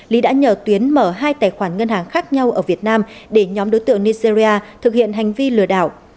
lý đã nhờ tuyến mở hai tài khoản ngân hàng khác nhau ở việt nam để nhóm đối tượng nigeria thực hiện hành vi lừa đảo